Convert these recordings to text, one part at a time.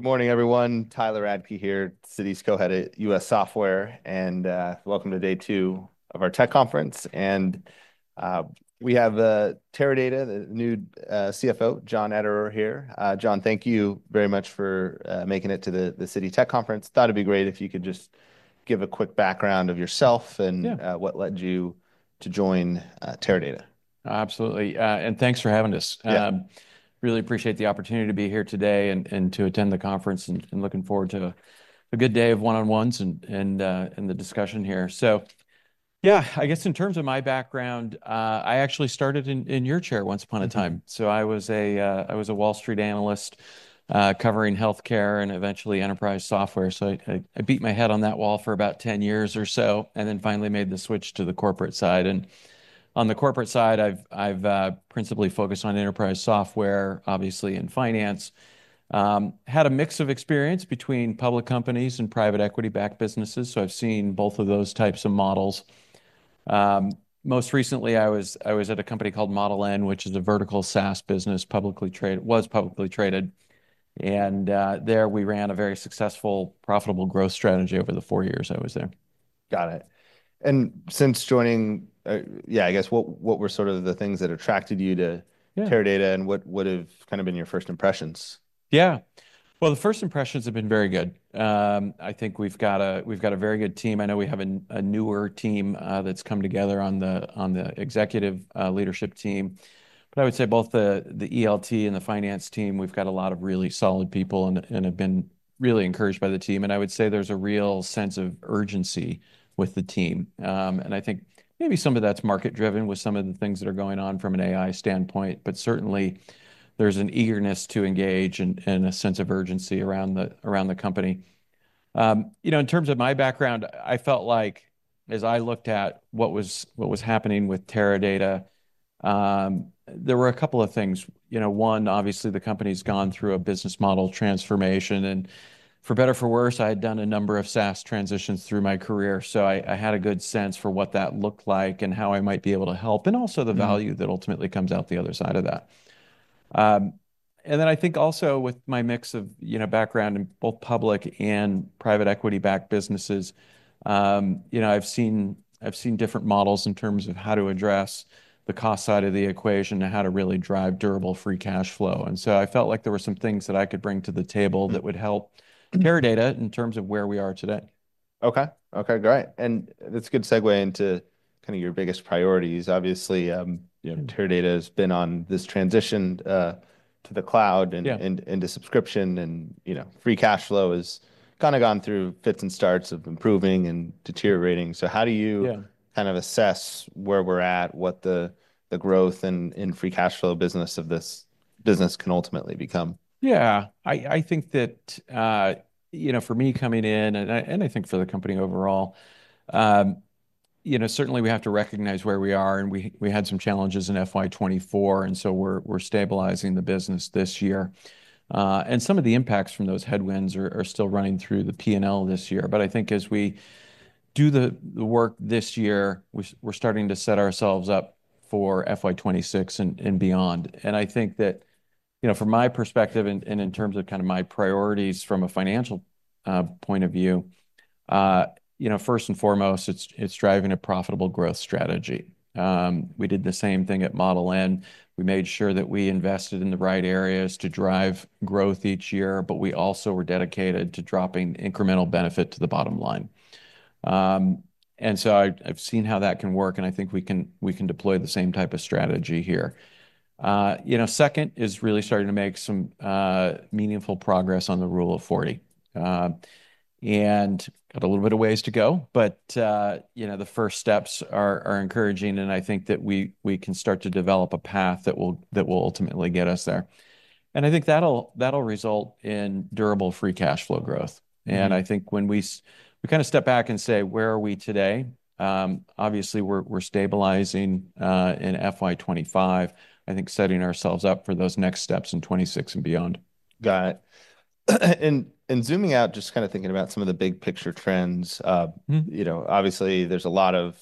Good morning, everyone. Tyler Radke here, Citi's cohead at US Software, and, welcome to day two of our tech conference. And, we have, Teradata, the new, CFO, John Ederer here. John, thank you very much for making it to the the Citi Tech Conference. Thought it'd be great if you could just give a quick background of yourself and Yeah. What led you to join Teradata. Absolutely. And thanks for having us. Really appreciate the opportunity to be here today and and to attend the conference, and and looking forward to a good day of one on ones and and and the discussion here. So, yeah, I guess in terms of my background, I actually started in in your chair once upon a time. So I was a I was a Wall Street analyst covering health care and eventually enterprise software. So I I I beat my head on that wall for about ten years or so and then finally made the switch to the corporate side. And on the corporate principally focused on enterprise software, obviously, and finance. Had a mix of experience between public companies and private equity backed businesses, so I've seen both of those types of models. Most recently, I was I was at a company called Model N, which is a vertical SaaS business publicly trade was publicly traded. And there, we ran a very successful profitable growth strategy over the four years I was there. Got it. And since joining yeah. I guess, what what were sort of the things that attracted you to Yeah. Teradata, and what what have kind of been your first impressions? Yeah. Well, the first impressions have been very good. I think we've got a we've got a very good team. I know we have an a newer team that's come together on the on the executive leadership team. But I would say both the the ELT and the finance team, we've got a lot of really solid people and and have been really encouraged by the team. And I would say there's a real sense of urgency with the team. And I think maybe some of that's market driven with some of the things that are going on from an AI standpoint, but certainly, there's an eagerness to engage and and a sense of urgency around the around the company. You know, in terms of my background, I felt like, as I looked at what was what was happening with Teradata, there were a couple of things. You know, one, obviously, the company's gone through a business model transformation. And for better, for worse, I had done a number of SaaS transitions through my career. So I I had a good sense for what that looked like and how I might be able to help, and also the value that ultimately comes out the other side of that. And then I think also with my mix of, you know, background in both public and private equity backed businesses, you know, I've seen I've seen different models in terms of how to address the cost side of the equation and how to really drive durable free cash flow. And so I felt like there were some things that I could bring to the table that would help Teradata in terms of where we are today. Okay. Okay. Great. And that's a good segue into kinda your biggest priorities. Obviously, you know, Teradata has been on this transition to the cloud and Yeah. And and the subscription and, you know, free cash flow has kinda gone through fits and starts of improving and deteriorating. So how do you Yeah. Kind of assess where we're at, what the the growth in in free cash flow business of this business can ultimately become? Yeah. I I think that, you know, for me coming in, and I and I think for the company overall, you know, certainly, we have to recognize where we are, and we we had some challenges in FY '24, and so we're we're stabilizing the business this year. And some of the impacts from those headwinds are still running through the P and L this year. But I think as we do the work this year, we're starting to set ourselves up for FY 'twenty six and beyond. And I think that know, from my perspective and and in terms of kind of my priorities from a financial point of view, you know, first and foremost, it's it's driving a profitable growth strategy. We did the same thing at Model N. We made sure that we invested in the right areas to drive growth each year, but we also were dedicated to dropping incremental benefit to the bottom line. And so I've I've seen how that can work, and I think we can we can deploy the same type of strategy here. You know, second is really starting to make some meaningful progress on the rule of 40. And got a little bit of ways to go, but, you know, the first steps are are encouraging, and I think that we we can start to develop a path that will that will ultimately get us there. And I think that'll that'll result in durable free cash flow growth. And I think when we we kind of step back and say, where are we today? Obviously, we're we're stabilizing in f y twenty five, I think setting ourselves up for those next steps in '26 and beyond. Got it. And and zooming out, just kind of thinking about some of the big picture trends. Mhmm. You know, obviously, there's a lot of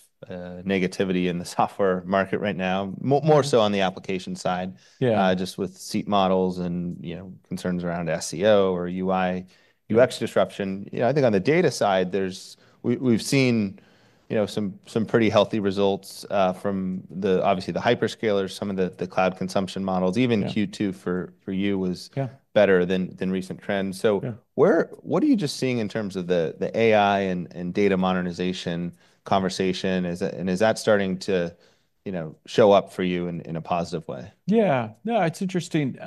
negativity in the software market right now, more so on the application side Yeah. Just with seat models and, you know, concerns around SEO or UI UX disruption. You know, I think on the data side, there's we we've seen, you know, some some pretty healthy results, from the, obviously, the hyperscalers, some of the the cloud consumption models. Even q two for for you was Yeah. Better than than recent trends. So Yeah. Where what are you just seeing in terms of the the AI and and data modernization conversation? Is that and is that starting to, you know, show up for you in in a positive way? Yeah. No. It's interesting.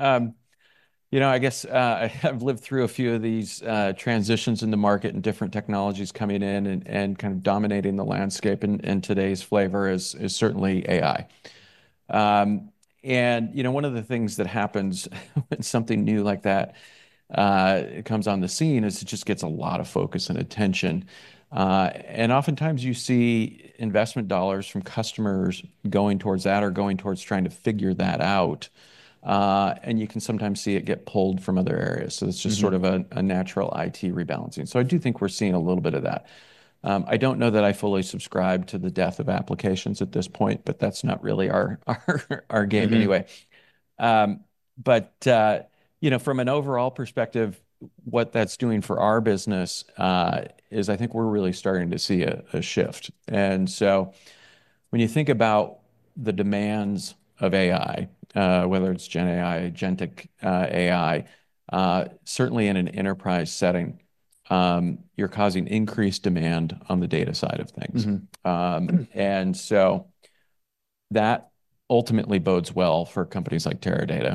You know, I guess I have lived through a few of these transitions in the market and different technologies coming in and and kind of dominating the landscape in in today's flavor is is certainly AI. And, you know, one of the things that happens when something new like that comes on the scene is it just gets a lot of focus and attention. And oftentimes, see investment dollars from customers going towards that or going towards trying to figure that out, And you can sometimes see it get pulled from other areas. So it's just sort of a natural IT rebalancing. So I do think we're seeing a little bit of that. I don't know that I fully subscribe to the death of applications at this point, but that's not really our game anyway. But, you know, from an overall perspective, what that's doing for our business is I think we're really starting to see a a shift. And so when you think about the demands of AI, whether it's GenAI, GenTyc AI, certainly in an enterprise setting, you're causing increased demand on the data side of things. Mhmm. And so that ultimately bodes well for companies like Teradata,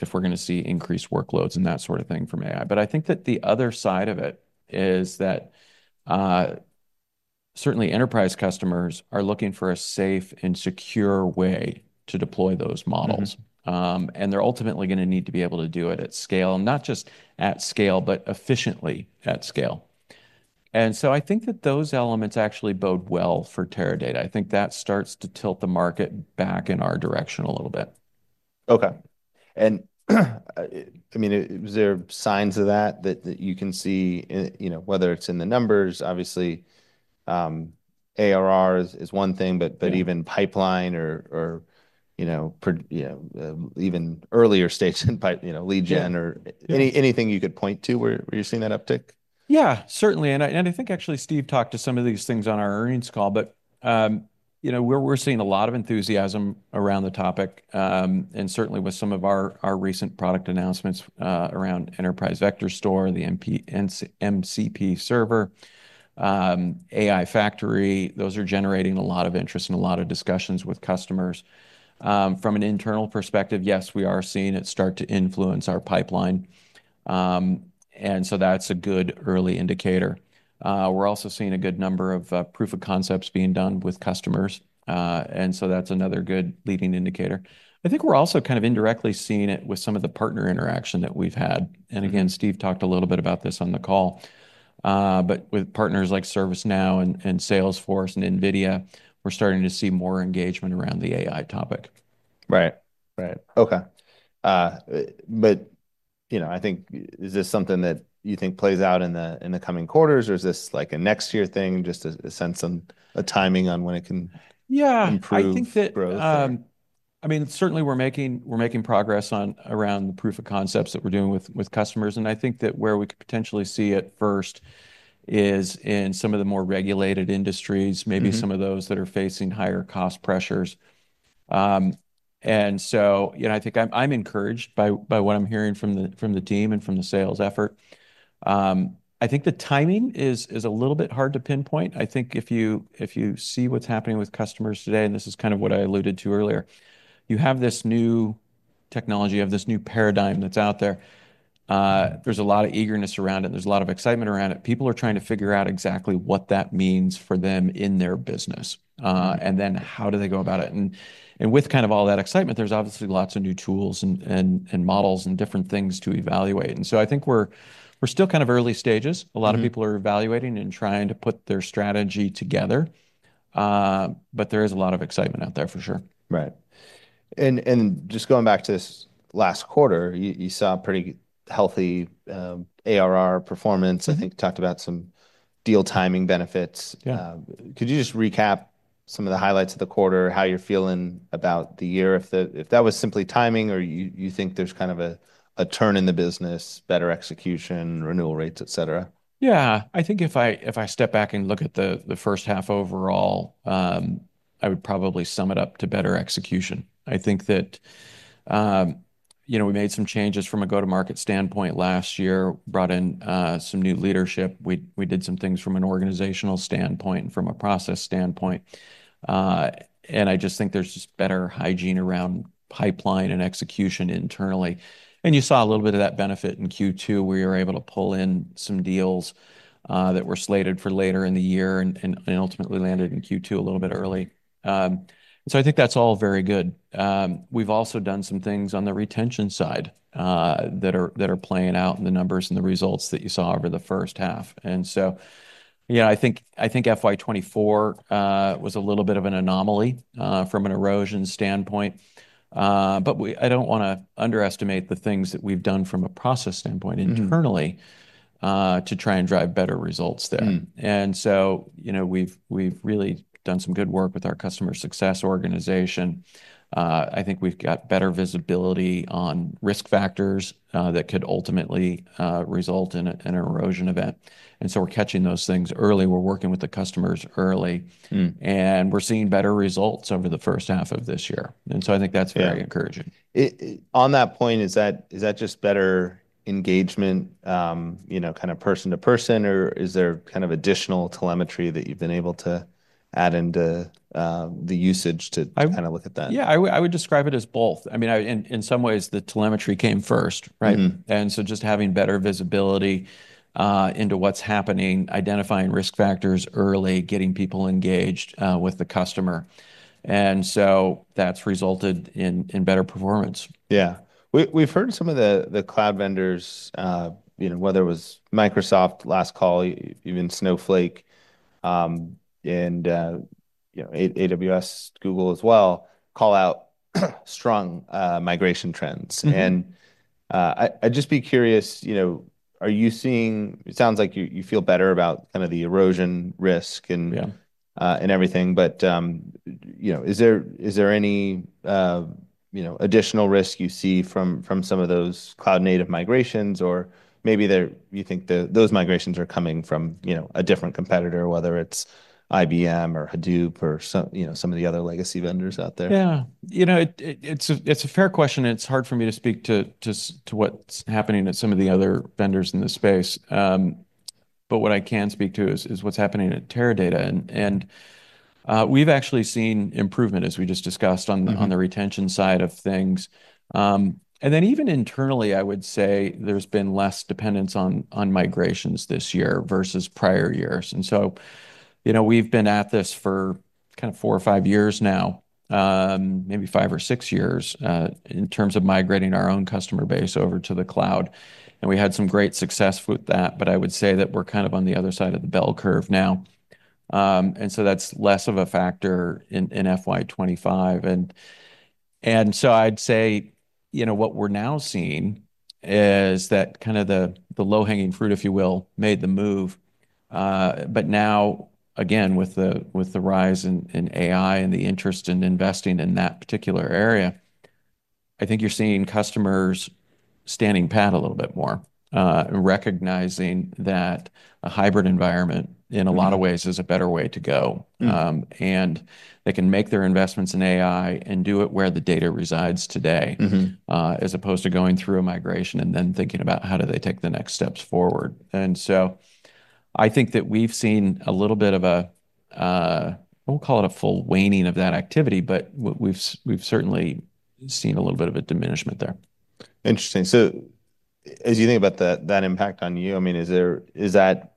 if we're going to see increased workloads and that sort of thing from AI. But I think that the other side of it is that certainly enterprise customers are looking for a safe and secure way to deploy those models. And they're ultimately gonna need to be able to do it at scale, not just at scale, but efficiently at scale. And so I think that those elements actually bode well for Teradata. I think that starts to tilt the market back in our direction a little bit. Okay. And, I mean, is there signs of that that that you can see, you know, whether it's in the numbers? Obviously, ARR is is one thing, but but even pipeline or or, you know, per you know, even earlier states in pipe you know, lead gen or any anything you could point to where where you're seeing that uptick? Yeah. Certainly. And I and I think, actually, Steve talked to some of these things on our earnings call, but, we're seeing a lot of enthusiasm around the topic, and certainly with some of our recent product announcements around Enterprise Vector Store and the MCP server, AI Factory, those are generating a lot of interest and a lot of discussions with customers. From an internal perspective, yes, we are seeing it start to influence our pipeline, and so that's a good early indicator. We're also seeing a good number of proof of concepts being done with customers, and so that's another good leading indicator. I think we're also kind of indirectly seeing it with some of the partner interaction that we've had. And, again, Steve talked a little bit about this on the call. But with partners like ServiceNow and and Salesforce and NVIDIA, we're starting to see more engagement around the AI topic. Right. Right. Okay. But, you know, I think is this something that you think plays out in the in the coming quarters, or is this, a next year thing? Just a a sense on a timing on when it can Yeah. Improve growth. I mean, certainly, we're making we're making progress on around the proof of concepts that we're doing with with customers. And I think that where we potentially see it first is in some of the more regulated industries, maybe some of those that are facing higher cost pressures. And so, you know, I think I'm I'm encouraged by by what I'm hearing from the from the team and from the sales effort. I think the timing is is a little bit hard to pinpoint. I think if you if you see what's happening with customers today, and this is kind of what I alluded to earlier, you have this new technology, you have this new paradigm that's out there. There's a lot of eagerness around it, there's lot of excitement around it. People are trying to figure out exactly what that means for them in their business, and then how do they go about it. And with kind of all that excitement, there's obviously lots of new tools and and and models and different things to evaluate. And so I think we're we're still kind of early stages. A lot of people are evaluating and trying to put their strategy together, but there is a lot of excitement out there for sure. Right. And and just going back to this last quarter, you saw a pretty healthy ARR performance. I think you talked about some deal timing benefits. Could you just recap some of the highlights of the quarter, how you're feeling about the year, if that if that was simply timing or you you think there's kind of a a turn in the business, better execution, renewal rates, etcetera? Yeah. I think if I if I step back and look at the the first half overall, I would probably sum it up to better execution. I think that, you know, we made some changes from a go to market standpoint last year, brought in some new leadership. We we did some things from an organizational standpoint and from a process standpoint. And I just think there's just better hygiene around pipeline and execution internally. And you saw a little bit of that benefit in q two. We were able to pull in some deals that were slated for later in the year and and and ultimately landed in q two a little bit early. So I think that's all very good. We've also done some things on the retention side that are that are playing out in the numbers and the results that you saw over the first half. And so, yeah, I think I think FY twenty four was a little bit of an anomaly from an erosion standpoint, but we I don't wanna underestimate the things that we've done from a process standpoint internally to try and drive better results there. And so, you know, we've we've really done some good work with our customer success organization. I think we've got better visibility on risk factors that could ultimately result in an erosion event. And so we're catching those things early. We're working with the customers early. And we're seeing better results over the first half of this year. And so I think that's very encouraging. On that point, is that is that just better engagement, you know, kind of person to person, or is there kind of additional telemetry that you've been able to add into the usage to kind of look at that? Yeah. Would describe it as both. I mean, some ways, the telemetry came first, right? And so just having better visibility into what's happening, identifying risk factors early, getting people engaged with the customer. And so that's resulted in in better performance. Yeah. We we've heard some of the the cloud vendors, you know, whether it was Microsoft last call, even Snowflake, and, you know, a AWS, Google as well, call out strong, migration trends. And, I I'd just be curious. You know, are you seeing it sounds like you you feel better about kind of the erosion risk and Yeah. And everything. But, you know, is there is there any, you know, additional risk you see from from some of those cloud native migrations? Or maybe there you think the those migrations are coming from, you know, a different competitor, whether it's IBM or Hadoop or some, you know, some of the other legacy vendors out there? Yeah. You know, it it it's a it's a fair question. It's hard for me to speak to to to what's happening at some of the other vendors in the space. But what I can speak to is is what's happening at Teradata. And and we've actually seen improvement, as we just discussed, on on the retention side of things. And then even internally, I would say there's been less dependence on on migrations this year versus prior years. And so, you know, we've been at this for kind of four or five years now, maybe five or six years in terms of migrating our own customer base over to the cloud. And we had some great success with that, but I would say that we're kind of on the other side of the bell curve now. And so that's less of a factor in in FY '25. And and so I'd say, you know, what we're now seeing is that kind of the the low hanging fruit, if you will, made the move. But now, again, with the with the rise in in AI and the interest in investing in that particular area, I think you're seeing customers standing pat a little bit more, recognizing that a hybrid environment, in a lot of ways, is a better way to go. And they can make their investments in AI and do it where the data resides today as opposed to going through a migration and then thinking about how do they take the next steps forward. And so I think that we've seen a little bit of a, I won't call it a full waning of that activity, but we've certainly seen a little bit of a diminishment there. Interesting. So as you think about that that impact on you, I mean, is there is that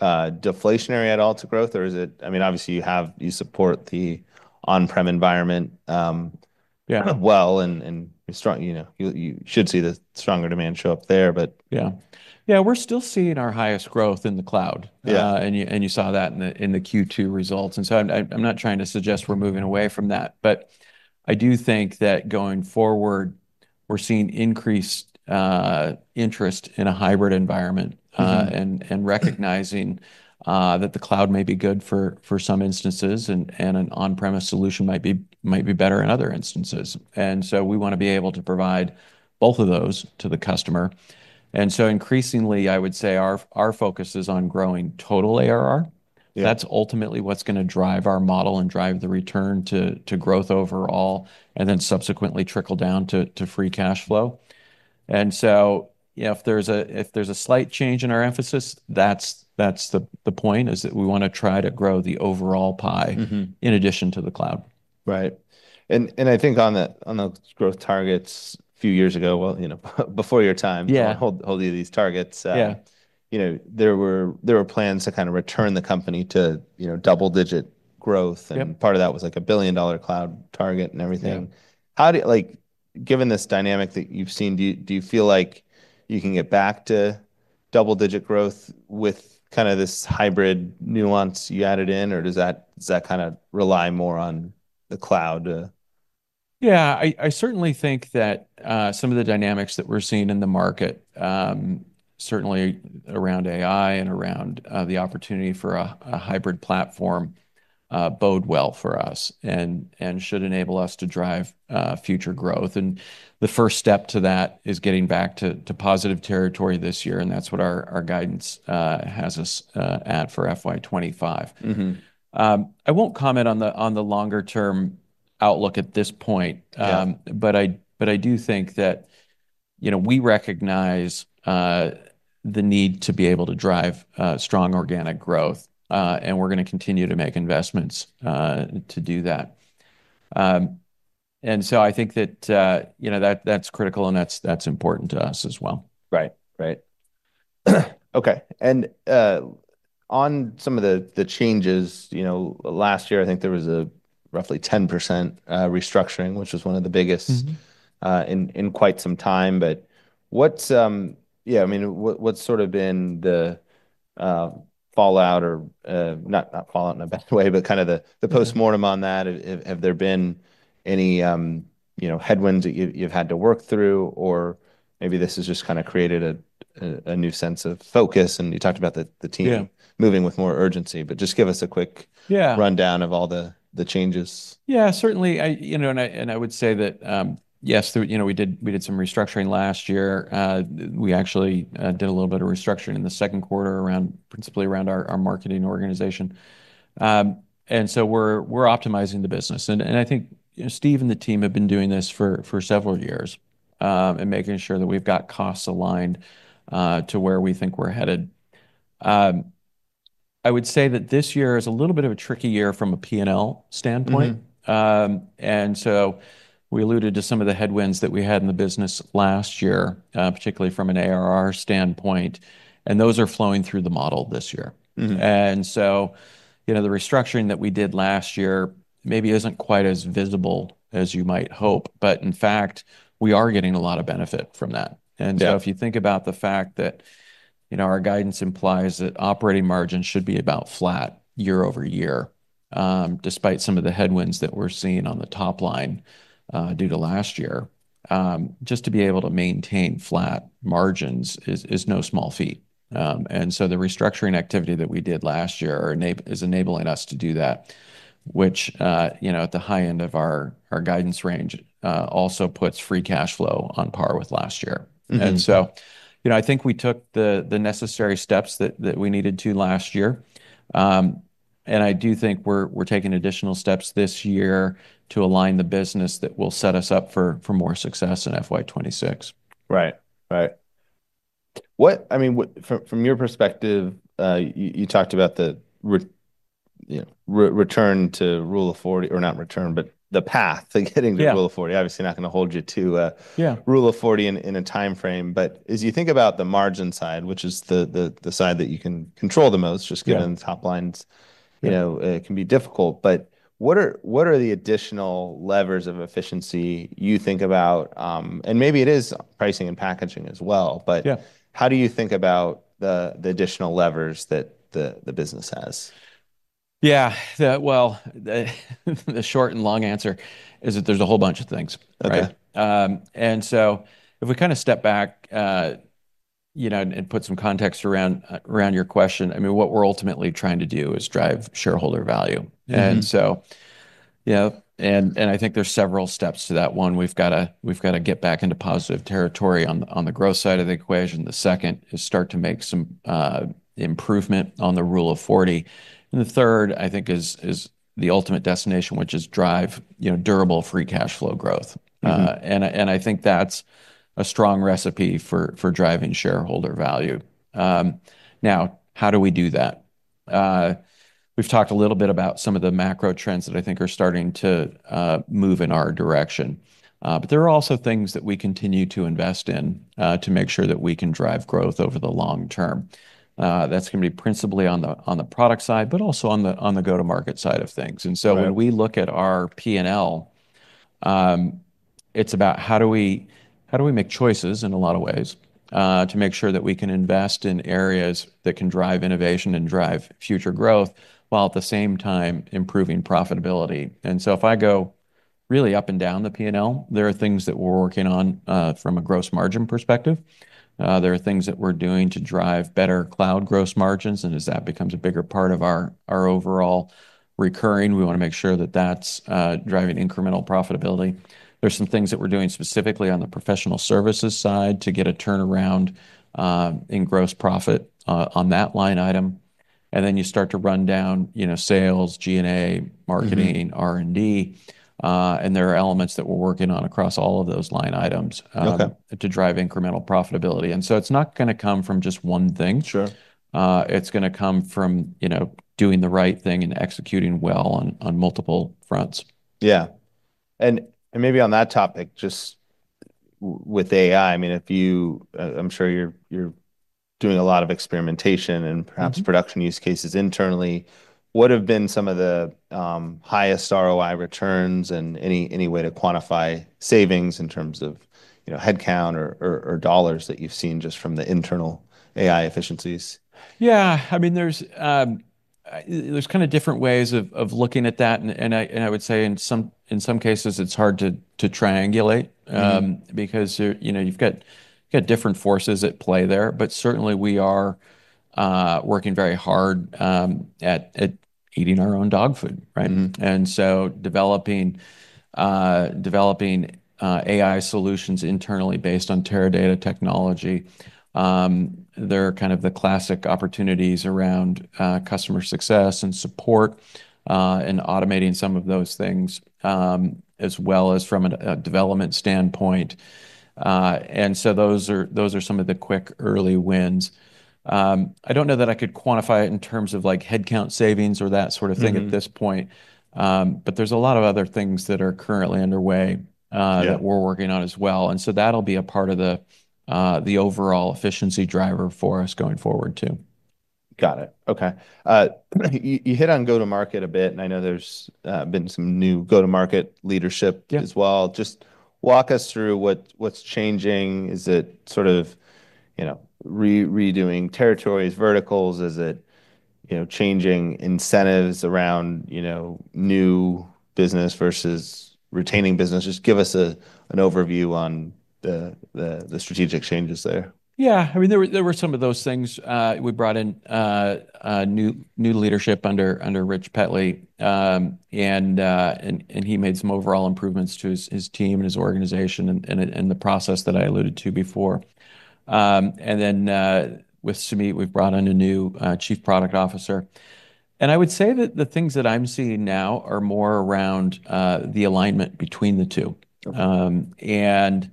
deflationary at all to growth? Or is it I mean, obviously, you have you support the on prem environment Yeah. Well and and strong you know, you you should see the stronger demand show up there. But Yeah. Yeah. We're still seeing our highest growth in the cloud. Yeah. And you and you saw that in the in the q two results. And so I'm I'm I'm not trying to suggest we're moving away from that. But I do think that going forward, we're seeing increased interest in a hybrid environment and and recognizing that the cloud may be good for for some instances, and and an on premise solution might be might be better in other instances. And so we wanna be able to provide both of those to the customer. And so increasingly, I would say our our focus is on growing total ARR. That's ultimately what's gonna drive our model and drive the return to to growth overall and then subsequently trickle down to to free cash flow. And so, you know, if there's a if there's a slight change in our emphasis, that's that's the the point is that we wanna try to grow the overall pie Mhmm. In addition to the cloud. Right. And and I think on the on the growth targets a few years ago well, you know, before your time Yeah. Hold hold you these targets Yeah. You know, there were there were plans to kinda return the company to, you know, double digit growth. And part of that was, like, a billion dollar cloud target and everything. How do like, given this dynamic that you've seen, do do you feel like you can get back to double digit growth with kinda this hybrid Nuance you added in, or does that does that kinda rely more on the cloud? Yeah. I I certainly think that some of the dynamics that we're seeing in the market, certainly around AI and around the opportunity for a a hybrid platform bode well for us and should enable us to drive future growth. And the first step to that is getting back to positive territory this year, and that's what our guidance has us at for FY 'twenty five. I won't comment on longer term outlook at this point. But I do think that we recognize the need to be able to drive strong organic growth, and we're gonna continue to make investments to do that. And so I think that, you know, that that's critical, and that's that's important to us as well. Right. Right. Okay. And on some of the the changes, you know, last year, I think there was a roughly 10% restructuring, which is one of the biggest Mhmm. In in quite some time. But what's yeah. I mean, what's sort of been the fallout or not not fallout in a bad way, but kind of the the postmortem on that? Have there been any, you know, headwinds that you've you've had to work through? Or maybe this has just kinda created a new sense of focus, and you talked about the the team moving with more urgency. But just give us a quick rundown of all the changes. Yeah, certainly. I, you know, and I would say that, yes, you know, we did some restructuring last year. We actually did a little bit of restructuring in the second quarter around, principally around our marketing organization. And so we're optimizing the business. And I think Steve and the team have been doing this for several years and making sure that we've got costs aligned to where we think we're headed. I would say that this year is a little bit of a tricky year from a P and L standpoint. And so we alluded to some of the headwinds that we had in the business last year, particularly from an ARR standpoint, and those are flowing through the model this year. And so the restructuring that we did last year maybe isn't quite as visible as you might hope. But in fact, we are getting a lot of benefit from that. And so if you think about the fact that our guidance implies that operating margin should be about flat year over year despite some of the headwinds that we're seeing on the top line due to last year, just to be able to maintain flat margins no small feat. And so the restructuring activity that we did last year are enabling us to do that, which, you know, at the high end of our our guidance range also puts free cash flow on par with last year. And so, you know, I think we took the the necessary steps that that we needed to last year. And I do think we're we're taking additional steps this year to align the business that will set us up for for more success in f y twenty six. Right. Right. What I mean, what from from your perspective, you you talked about the re you know, return to rule of 40 or not return, but the path to getting to rule of 40. Obviously, not gonna hold you to Yeah. Rule of 40 in in a time frame. But as you think about the margin side, which is the the the side that you can control the most just given the top lines, you know, it can be difficult. But what are what are the additional levers of efficiency you think about? And maybe it is pricing and packaging as well, but how do you think about the additional levers that the business has? Yeah. Well, the short and long answer is that there's a whole bunch of things, right? And so if we kind of step back, you know, and put some context around your question, I mean, what we're ultimately trying to do is drive shareholder value. And so, you know, and I think there's several steps to that. One, we've got to get back into positive territory on the growth side of the equation. The second is start to make some improvement on the rule of 40. And the third, I think, is the ultimate destination, which is drive, you know, durable free cash flow growth. And think that's a strong recipe for driving shareholder value. Now how do we do that? We've talked a little bit about some of the macro trends that I think are starting to move in our direction. But there are also things that we continue to invest in to make sure that we can drive growth over the long term. That's going be principally on the product side, but also on the go to market side of things. So when we look at our P and L, it's about how do we make choices, in a lot of ways, to make sure that we can invest in areas that can drive innovation and drive future growth, while at the same time improving profitability. And so if I go really up and down the P and L, there are things that we're working on from a gross margin perspective. There are things that we're doing to drive better cloud gross margins. And as that becomes a bigger part of our overall recurring, we want to make sure that that's driving incremental profitability. There's some things that we're doing specifically on the professional services side to get a turnaround in gross profit on that line item. And then you start to run down, you know, sales, G and A, marketing, R and D, and there are elements that we're working on across all of those line items Okay. To drive incremental profitability. And so it's not going to come from just one thing. Sure. It's gonna come from, you know, doing the right thing and executing well on on multiple fronts. Yeah. And and maybe on that topic, just with AI, I mean, if you I'm sure you're you're doing a lot of experimentation and perhaps production use cases internally. What have been some of the highest ROI returns? And any any way to quantify savings in terms of, you know, headcount or or or dollars that you've seen just from the internal AI efficiencies? Yeah. I mean, there's kind of different ways of looking at that, and I would say in some cases, it's hard to triangulate, because you've got different forces at play there. But certainly, we are working very hard at eating our own dog food, right? And so developing AI solutions internally based on Teradata technology, They're kind of the classic opportunities around customer success and support and automating some of those things as well as from a a development standpoint. And so those are those are some of the quick early wins. I don't know that I could quantify it in terms of, like, headcount savings or that sort of thing at this point, but there's a lot of other things that are currently underway that we're working on as well. And so that'll be a part of the overall efficiency driver for us going forward, too. Got it. Okay. You hit on go to market a bit, and I know there's been some new go to market leadership Just as walk us through what what's changing. Is it sort of, you know, re redoing territories, verticals? Is it, you know, changing incentives around, you know, new business versus retaining business? Just give us an overview on the strategic changes there. Yeah. I mean, there were some of those things. We brought in new leadership under Rich Petli, and he made some overall improvements to his team and his organization and the process that I alluded to before. And then with Samit, we've brought on a new chief product officer. And I would say that the things that I'm seeing now are more around the alignment between the two. And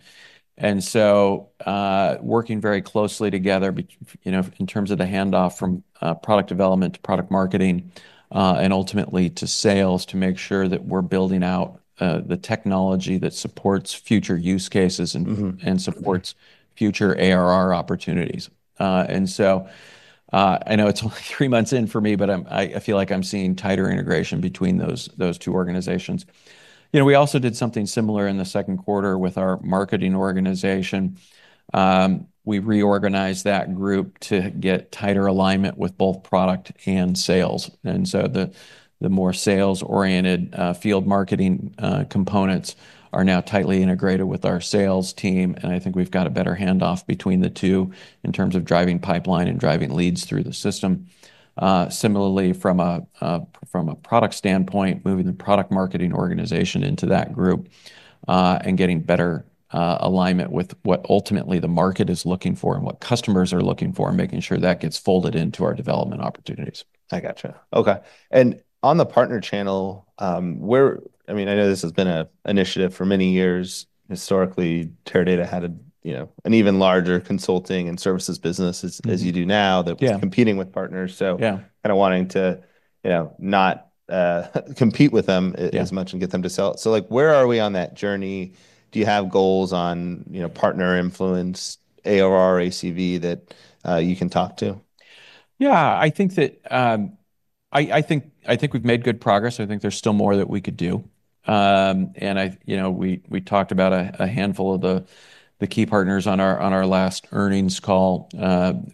and so working very closely together, know, in terms of the handoff from product development to product marketing and ultimately to sales to make sure that we're building out the technology that supports future use cases and supports future ARR opportunities. And so I know it's only three months in for me, but I feel like I'm seeing tighter integration between those two organizations. We also did something similar in the second quarter with our marketing organization. We reorganized that group to get tighter alignment with both product and sales. And so more sales oriented field marketing components are now tightly integrated with our sales team, and I think we've got a better handoff between the two in terms of driving pipeline and driving leads through the system. Similarly, from a from a product standpoint, moving the product marketing organization into that group and getting better alignment with what ultimately the market is looking for and what customers are looking for and making sure that gets folded into our development opportunities. I gotcha. Okay. And on the partner channel, where I mean, I know this has been a initiative for many years. Historically, Teradata had a you know, an even larger consulting and services business as as you do now that was competing with partners. So Yeah. Kinda wanting to, you know, not compete with them as much and get them to sell. So, like, where are we on that journey? Do you have goals on, you know, partner influence, AOR, ACV that you can talk to? Yeah. I think that I I think I think we've made good progress. I think there's still more that we could do. And I you know, we we talked about a a handful of the the key partners on our on our last earnings call.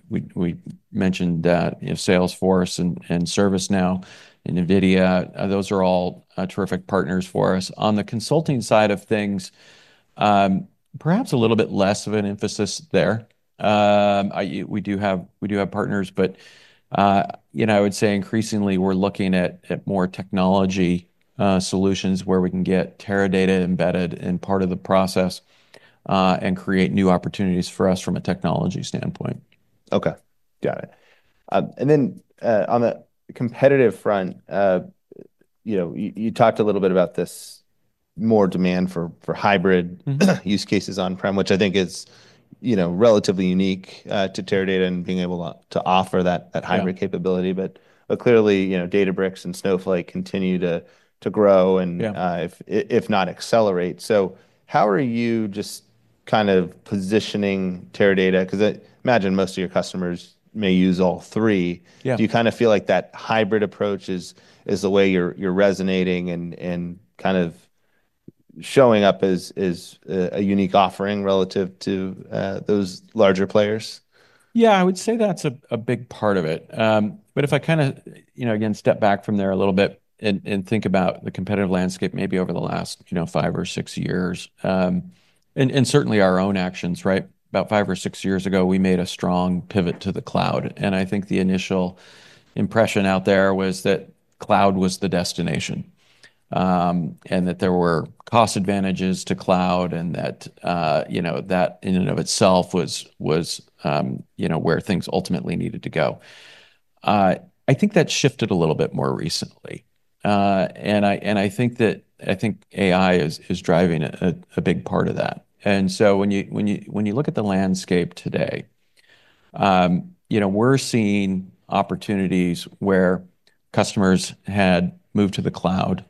We we mentioned that, you know, Salesforce and and ServiceNow and NVIDIA, those are all terrific partners for us. On the consulting side of things, perhaps a little bit less of an emphasis there. I we do have we do have partners, but, you know, I would say increasingly, we're looking at at more technology solutions where we can get Teradata embedded in part of the process and create new opportunities for us from a technology standpoint. Okay. Got it. And then on the competitive front, you know, you you talked a little bit about this more demand for for hybrid use cases on prem, which I think is, you know, relatively unique, to Teradata and being able to offer that that hybrid capability. But clearly, Databricks and Snowflake continue to grow and if not accelerate. So how are you just kind of positioning Teradata? Because I imagine most of your customers may use all three. Yeah. Do you kind of feel like that hybrid approach is is the way you're you're resonating and and kind of showing up as as a unique offering relative to those larger players? Yeah. I would say that's a a big part of it. But if I kinda, you know, again, step back from there a little bit and and think about the competitive landscape maybe over the last, you know, five or six years, and and certainly our own actions. Right? About five or six years ago, we made a strong pivot to the cloud. And I think the initial impression out there was that cloud was the destination and that there were cost advantages to cloud and that, you know, that in and of itself was was, you know, where things ultimately needed to go. I think that shifted a little bit more recently. And I and I think that I think AI is is driving a big part of that. And so when you look at the landscape today, we're seeing opportunities where customers had moved to the cloud,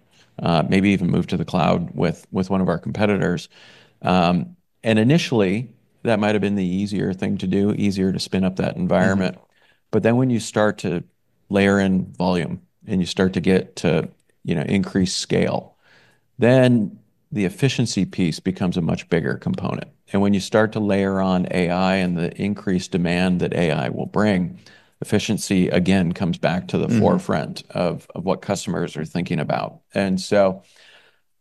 maybe even moved to the cloud with one of our competitors. And initially, that might have been the easier thing to do, easier to spin up that environment. But then when you start to layer in volume and you start to get to, you know, increase scale, then the efficiency piece becomes a much bigger component. And when you start to layer on AI and the increased demand that AI will bring, efficiency again comes back to the forefront of what customers are thinking about. And so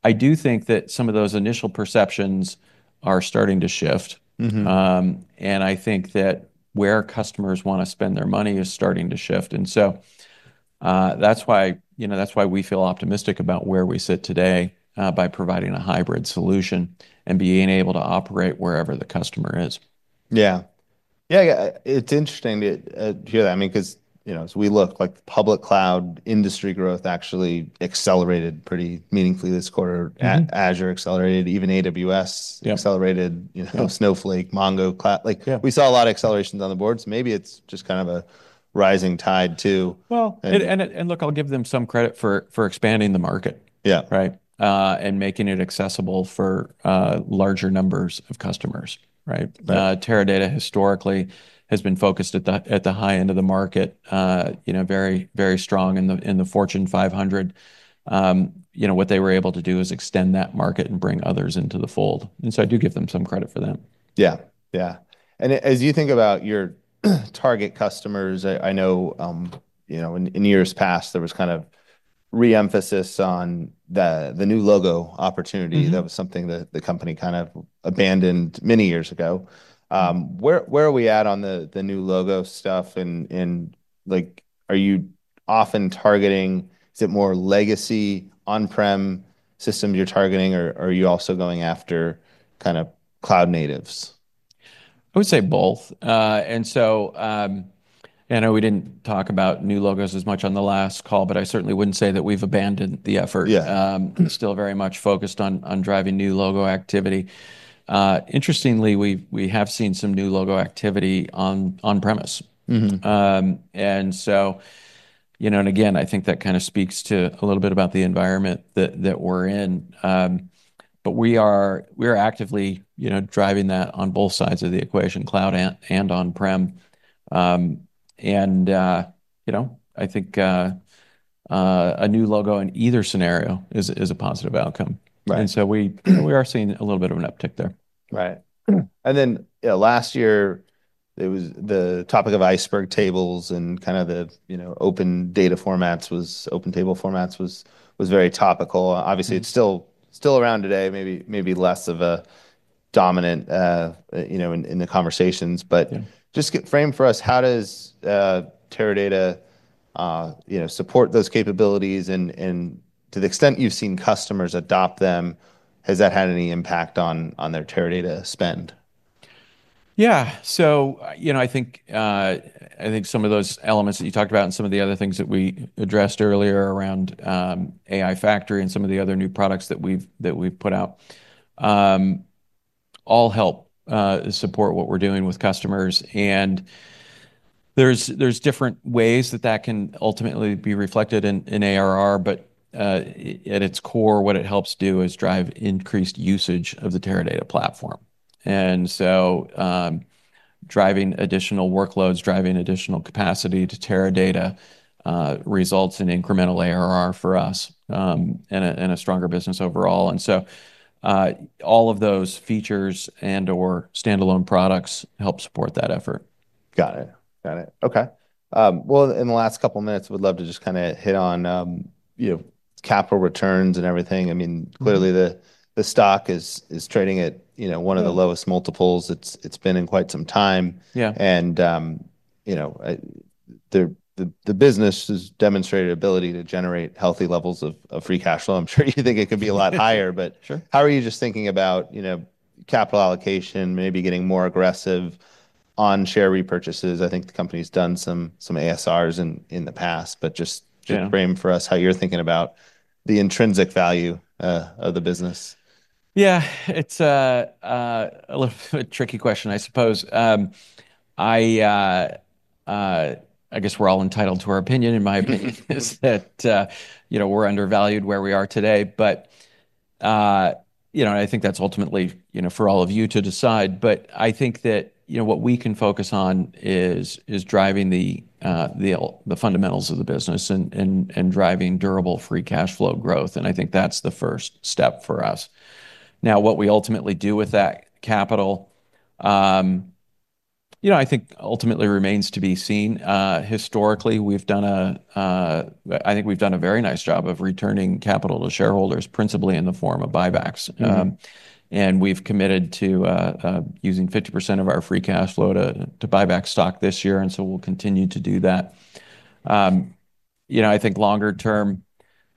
I do think that some of those initial perceptions are starting to shift. Mhmm. And I think that where customers wanna spend their money is starting to shift. And so that's why, you know, that's why we feel optimistic about where we sit today by providing a hybrid solution and being able to operate wherever the customer is. Yeah. Yeah. Yeah. It's interesting to hear that. I mean, because, you know, as we look, like, public cloud industry growth actually accelerated pretty meaningfully this quarter, and Azure accelerated. Even AWS accelerated, you know, Snowflake, Mongo cloud. Like Yeah. We saw a lot of accelerations on the boards. Maybe it's just kind of a rising tide too. Well and and and look. I'll give them some credit for for expanding the market. Yeah. Right? And making it accessible for larger numbers of customers. Right? Teradata historically has been focused at the at the high end of the market, you know, very, very strong in the in the Fortune 500. You know, what they were able to do is extend that market and bring others into the fold. And so I do give them some credit for that. Yeah. Yeah. And as you think about your target customers, I know, you know, in in years past, there was kind of reemphasis on the the new logo opportunity. That was something that the company kind of abandoned many years ago. Where where are we at on the the new logo stuff? And and, like, are you often targeting is it more legacy on prem system you're targeting, or are you also going after kind of cloud natives? I would say both. And so and I know we didn't talk about new logos as much on the last call, but I certainly wouldn't say that we've abandoned the effort. Yeah. Still very much focused on on driving new logo activity. Interestingly, we have seen some new logo activity on premise. And you know, and again, I think that kind of speaks to a little bit about the environment that we're in. But we are actively you know, driving that on both sides of the equation, cloud and and on prem. And, you know, I think a new logo in either scenario is is a positive outcome. Right. And so we we are seeing a little bit of an uptick there. Right. And then, yeah, last year, it was the topic of iceberg tables and kind of the, you know, open data formats was OpenTable formats was was very topical. Obviously, it's still still around today, maybe maybe less of a dominant in the conversations. But just frame for us how does Teradata support those capabilities? And to the extent you've seen customers adopt them, has that had any impact on their Teradata spend? Yeah. So I think some of those elements that you talked about and some of the other things that we addressed earlier around AI Factory and some of the other new products that we've put out all help support what we're doing with customers. And there's different ways that that can ultimately be reflected in ARR. But at its core, what it helps do is drive increased usage of the Teradata platform. And so driving additional workloads, driving additional capacity to Teradata results in incremental ARR for us and a stronger business overall. And so all of those features and or stand alone products help support that effort. Got it. Got it. Okay. Well, in the last couple of minutes, we'd love to just kind of hit on capital returns and everything. I mean, clearly, the stock is trading at one of the lowest multiples. It's been in quite some time. And the business has demonstrated ability to generate healthy levels of free cash flow. I'm sure you think it could be a lot higher, but Sure. How are you just thinking about, you know, capital allocation, maybe getting more aggressive on share repurchases? I think the company has done some some ASRs in in the past, but just just frame for us how you're thinking about the intrinsic value of the business. Yeah, it's a tricky question, I suppose. I guess we're all entitled to our opinion, and my opinion is that we're undervalued where we are today. But, you know, I think that's ultimately for all of you to decide. But I think that what we can focus on is driving the fundamentals of the business and driving durable free cash flow growth. And I think that's the first step for us. Now, what we ultimately do with that capital, I think ultimately remains to be seen. Historically, we've done a I think we've done a very nice job of returning capital to shareholders, principally in the form of buybacks. And we've committed to using 50% of our free cash flow to buy back stock this year, and so we'll continue to do that. I think longer term,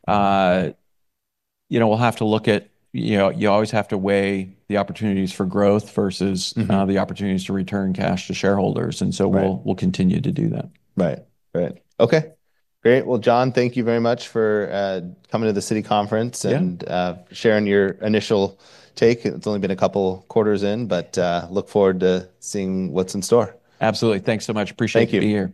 we'll have to look at, you always have to weigh the opportunities for growth versus the opportunities to return cash to shareholders, and so we'll we'll continue to do that. Right. Right. Okay. Great. Well, John, thank you very much for coming to the Citi conference and sharing your initial take. It's only been a couple quarters in, but look forward to seeing what's in store. Absolutely. Thanks so much. Appreciate be here.